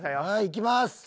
はいいきます。